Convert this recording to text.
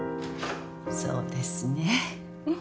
そうですね